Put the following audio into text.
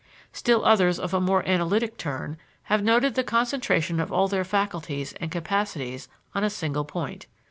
Still others of a more analytic turn have noted the concentration of all their faculties and capacities on a single point.